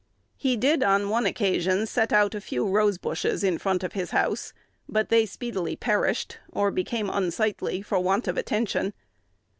He did on one occasion set out a few rose bushes in front of his house; but they speedily perished, or became unsightly for want of attention.